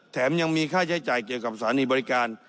แถมยังมีค่าใช้จ่ายเกี่ยวกับสถานีบริการ